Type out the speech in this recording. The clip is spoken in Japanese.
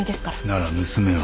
なら娘は？